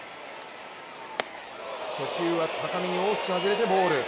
初球は高めに大きく外れてボール。